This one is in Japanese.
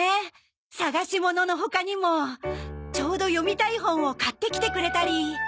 捜しものの他にもちょうど読みたい本を買ってきてくれたり。